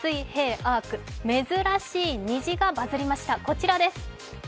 珍しい虹がバズりました、こちらです。